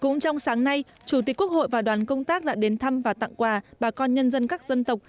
cũng trong sáng nay chủ tịch quốc hội và đoàn công tác đã đến thăm và tặng quà bà con nhân dân các dân tộc